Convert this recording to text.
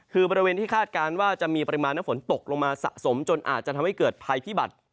คือบริเวณที่คาดการณ์ว่าจะมีปริมาณน้ำฝนตกลงมาสะสมจนอาจจะทำให้เกิดภัยพิบัติ